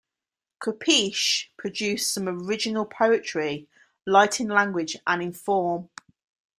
Kopisch produced some original poetry, light in language and in form.